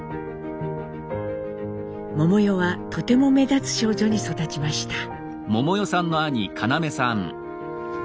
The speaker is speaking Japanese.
百代はとても目立つ少女に育ちました。